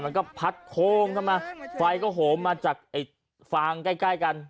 มันก็พัดโค้งเข้ามาไฟก็โหมมาจากไอ้ฟางใกล้ใกล้กัน